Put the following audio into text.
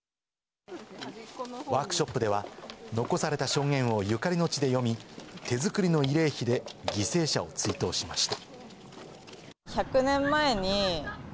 ワークショップでは、残された証言をゆかりの地で読み、手作りの慰霊碑で犠牲者を追悼しました。